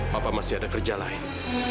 bapak masih ada kerja lain